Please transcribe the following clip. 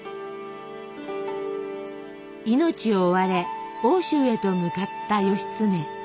命を追われ奥州へと向かった義経。